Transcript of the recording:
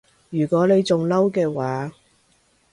如果你仲嬲嘅話